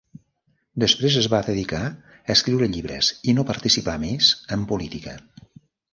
Després es va dedicar a escriure llibres i no participà més en política.